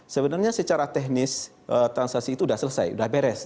sebenarnya secara teknis transaksi itu sudah selesai sudah beres